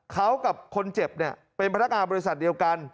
เขากับคนเจ็บเนี่ยเป็นพนักงานบริษัทเดียวกัน